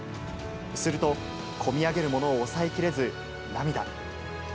すると、込み上げるものを抑えきれず、涙。